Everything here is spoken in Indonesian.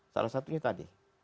salah satunya tadi